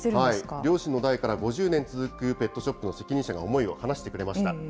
両親の代から５０年続くペットショップの責任者が思いを話してくれました。